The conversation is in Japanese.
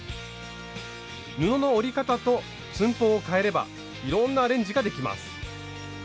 布の折り方と寸法をかえればいろんなアレンジができます。